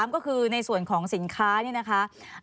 ก็คือในส่วนของสินค้านี่นะคะ